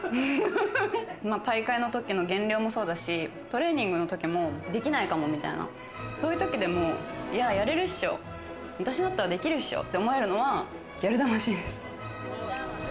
大会の時の減量もそうだし、トレーニングの時も、できないかもみたいな、そういう時でも、やれるっしょ、私だったらできるっしょって思えるのは、ギャル魂です。